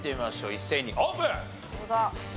一斉にオープン！